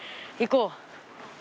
行こう！